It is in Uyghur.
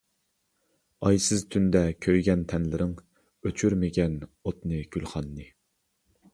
ئايسىز تۈندە كۆيگەن تەنلىرىڭ، ئۆچۈرمىگەن ئوتنى، گۈلخاننى.